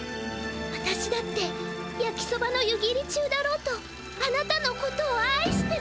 「わたしだってやきそばの湯切り中だろうとあなたのことを愛してる」。